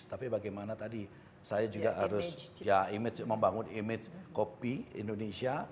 tapi bagaimana tadi saya juga harus ya membangun image kopi indonesia